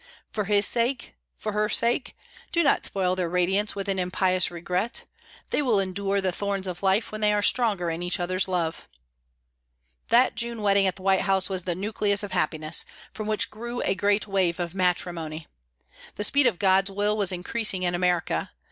For his sake, for her sake, do not spoil their radiance with an impious regret. They will endure the thorns of life when they are stronger in each other's love. That June wedding at the White House was the nucleus of happiness, from which grew a great wave of matrimony. The speed of God's will was increasing in America.